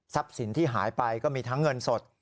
สินที่หายไปก็มีทั้งเงินสด